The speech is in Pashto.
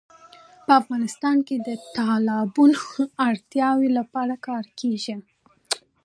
په افغانستان کې د تالابونو د اړتیاوو لپاره کار کېږي.